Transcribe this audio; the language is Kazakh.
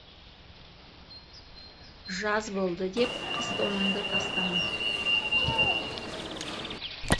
Жаз болды деп, қыс тоныңды тастама.